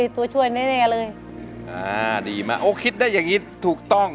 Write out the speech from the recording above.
อ่าดีมากโอ้คิดได้อย่างนี้ถูกต้อง